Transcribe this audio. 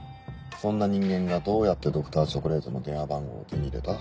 そんな人間がどうやってＤｒ．チョコレートの電話番号を手に入れた？